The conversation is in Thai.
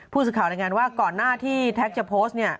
พูดสุดข่าวดังนั้นว่าก่อนหน้าที่แท็กจะโพสต์เนี่ย